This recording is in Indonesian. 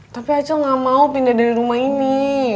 tapi acil ga mau pindah dari rumah ini